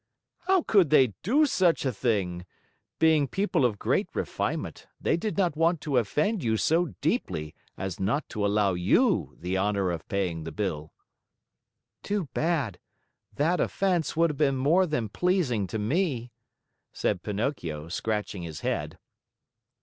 "How could they do such a thing? Being people of great refinement, they did not want to offend you so deeply as not to allow you the honor of paying the bill." "Too bad! That offense would have been more than pleasing to me," said Pinocchio, scratching his head.